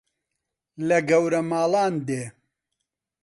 لە گەورە ماڵان دێ